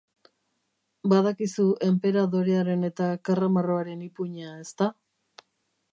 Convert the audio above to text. Badakizu enperadorearen eta karramarroaren ipuina, ezta?